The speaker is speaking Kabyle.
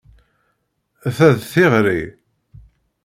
Ta d tiɣri.